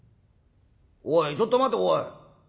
おいちょっと待ておい。